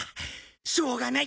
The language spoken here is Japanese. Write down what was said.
しょうがない。